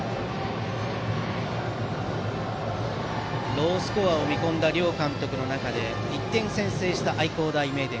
ロースコアを見込んだ両監督の中で１点先制した愛工大名電。